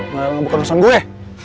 malah bukan urusan gue